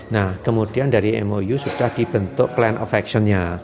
nah kemudian dari mou sudah dibentuk plan affection nya